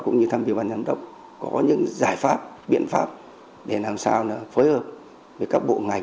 cũng như tham dự ban giám đốc có những giải pháp biện pháp để làm sao phối hợp với các bộ ngành